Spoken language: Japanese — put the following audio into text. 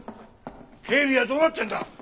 警備はどうなってんだ！？